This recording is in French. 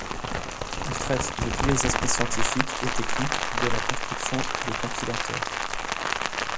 Il traite de tous les aspects scientifiques et techniques de la construction de compilateurs.